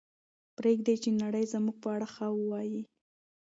پرېږدئ چې نړۍ زموږ په اړه ښه ووایي.